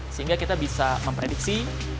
sehingga kita bisa memprediksi